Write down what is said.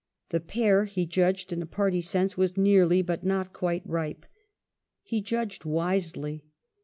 The pear, he judged in a party sense, was nearly, but not quite, ripe. He judged wisely.